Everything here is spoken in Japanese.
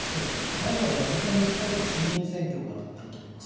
まずは間近に控えた衆議院選挙があると思います。